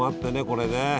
これね。